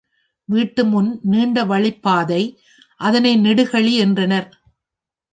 வீட்டுமுன் நீண்ட வழிப்பாதை, அதனை நெடுங்கழி என்றனர்.